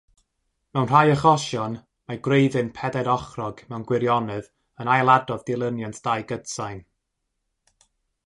Mewn rhai achosion, mae gwreiddyn pedairochrog mewn gwirionedd yn ailadrodd dilyniant dau gytsain.